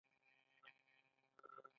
آسمان بیده دی، د بریښنا لاسونه